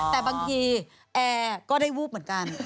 แต่บางทีแอร์ก็ได้วูบเหมือนกัน